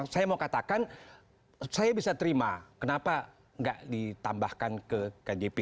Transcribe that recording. saya mau katakan saya bisa terima kenapa nggak ditambahkan ke kjp